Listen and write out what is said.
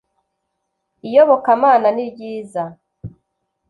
iyobokamana niryiza.